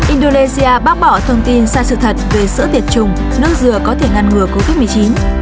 indonesia bác bỏ thông tin sai sự thật về sữa tiệt trùng nước dừa có thể ngăn ngừa covid một mươi chín